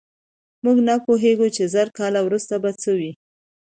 موږ نه پوهېږو چې زر کاله وروسته به څه وي.